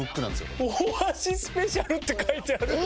「大橋スペシャル」って書いてある。